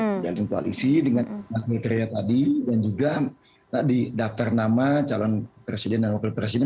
menjalin koalisi dengan kriteria tadi dan juga di daftar nama calon presiden dan wakil presiden